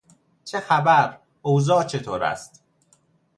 چه خبر؟ اوضاع چطور است؟